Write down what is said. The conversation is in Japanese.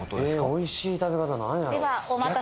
おいしい食べ方なんやろ？